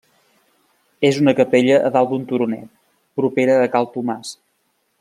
És una capella a dalt d'un turonet, propera a Cal Tomàs.